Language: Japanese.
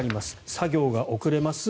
作業が遅れます。